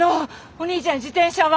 お兄ちゃん自転車は！